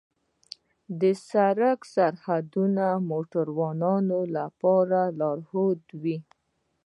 د سړک سرحدونه د موټروانو لپاره لارښود وي.